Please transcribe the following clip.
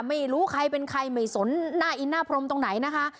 ไม่รู้ใครเป็นใครไม่สนหน้าอินหน้าพรมตรงไหนนะคะ